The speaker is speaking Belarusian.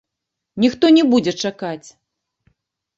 Ніхто не будзе чакаць.